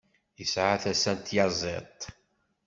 Yesɛa tasa n tyaẓiḍt.